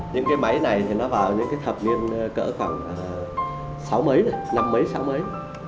những cái máy này thì nó vào những cái thập niên cỡ khoảng sáu mấy năm mấy sáu mấy